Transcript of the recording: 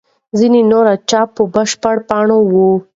ځینې نور چای په بشپړو پاڼو وي.